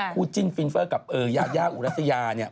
จิ้นฟินเฟอร์กับยายาอุรัสยาเนี่ย